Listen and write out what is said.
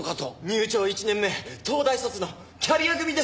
入庁１年目東大卒のキャリア組ですって。